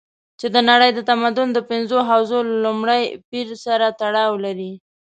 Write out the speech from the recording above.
چې د نړۍ د تمدن د پنځو حوزو له لومړي پېر سره تړاو لري.